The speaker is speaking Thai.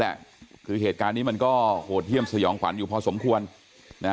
แหละคือเหตุการณ์นี้มันก็โหดเยี่ยมสยองขวัญอยู่พอสมควรนะฮะ